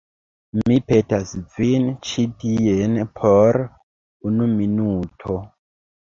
Mi petas vin ĉi tien por unu minuto.